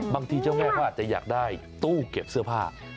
เจ้าโง่เขาอาจจะอยากได้ตู้เก็บเสื้อผ้า